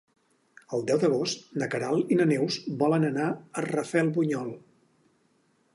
El deu d'agost na Queralt i na Neus volen anar a Rafelbunyol.